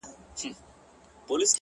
• هلته د ژوند تر آخري سرحده،